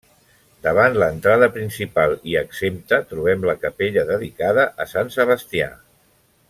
Davant l'entrada principal i exempta, trobem la capella dedicada a Sant Sebastià.